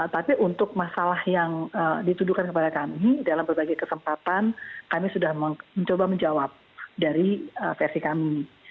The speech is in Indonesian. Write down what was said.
tapi untuk masalah yang dituduhkan kepada kami dalam berbagai kesempatan kami sudah mencoba menjawab dari versi kami